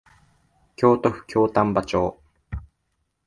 京都府京丹波町